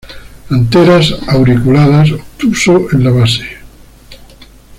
Anteras auriculadas obtuso en la base.